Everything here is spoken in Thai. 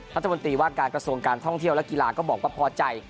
รัฐมนตรีว่าการกระทรวงการท่องเที่ยวและกีฬาก็บอกว่าพอใจ